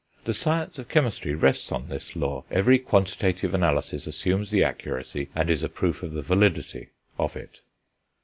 The science of chemistry rests on this law; every quantitative analysis assumes the accuracy, and is a proof of the validity, of it.